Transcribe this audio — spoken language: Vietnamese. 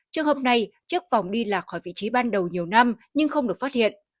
trường hợp này trước vòng đi lạc khỏi vị trí ban đầu nhiều năm nhưng không được phát hiện